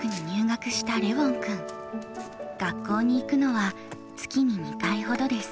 学校に行くのは月に２回ほどです。